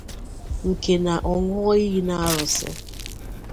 nke na ọ ñụọ iyi n'arụsị